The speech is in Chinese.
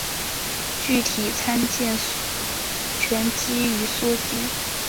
具体参见醛基与羧基。